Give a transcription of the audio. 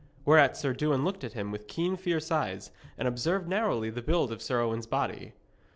Whereat Sir Dewin looked at him with keen fierce eyes, and observed narrowly the build of Sir Owen's body.